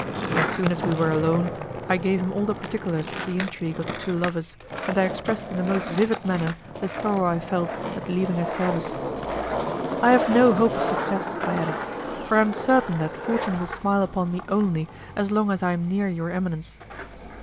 As soon as we were alone, I gave him all the particulars of the intrigue of the two lovers, and I expressed in the most vivid manner the sorrow I felt at leaving his service. "I have no hope of success," I added, "for I am certain that Fortune will smile upon me only as long as I am near your eminence."